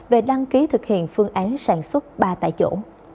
về đăng ký thực hiện phương án sản xuất ba tại chỗ